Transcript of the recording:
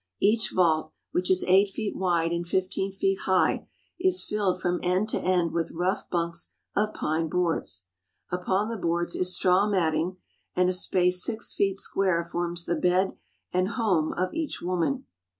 Each vault, which is eight feet wide and fifteen feet high, is filled from end to end with rough bunks of pine boards. Upon the boards is straw matting, and a space six feet square forms the bed and home of each woman.